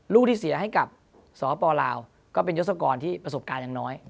ลูกที่เสียให้กับสปลาวก็เป็นยศกรที่ประสบการณ์ยังน้อย